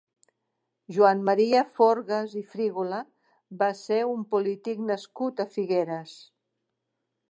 Joan Maria Forgas i Frígola va ser un polític nascut a Figueres.